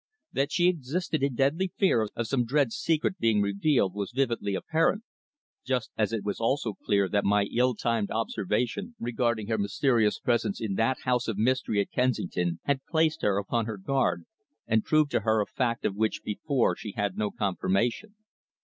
That she existed in deadly fear of some dread secret being revealed was vividly apparent, just as it was also clear that my ill timed observation regarding her mysterious presence in that house of mystery at Kensington had placed her upon her guard, and proved to her a fact of which before she had no confirmation.